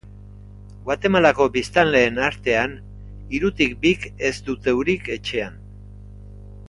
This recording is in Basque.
Guatemalako biztanleen artean hirutik bik ez dute urik etxean.